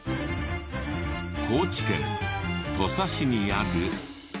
高知県土佐市にある。